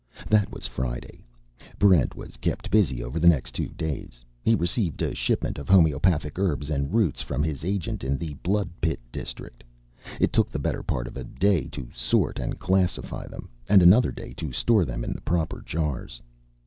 That was Friday. Barrent was kept busy over the next two days. He received a shipment of homeopathic herbs and roots from his agent in the Bloodpit district. It took the better part of a day to sort and classify them, and another day to store them in the proper jars.